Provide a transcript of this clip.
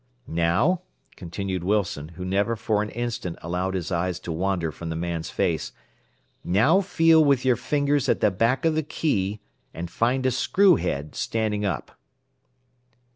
"Now," continued Wilson, who never for an instant allowed his eyes to wander from the man's face, "now feel with your fingers at the back of the key, and find a screw head, standing up."